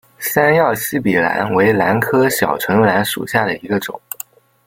三药细笔兰为兰科小唇兰属下的一个种。